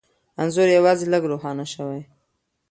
انځور یوازې لږ روښانه شوی،